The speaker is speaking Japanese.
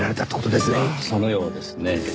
そのようですねぇ。